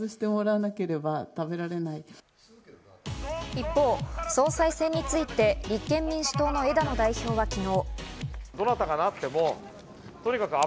一方、総裁選について、立憲民主党の枝野代表は昨日。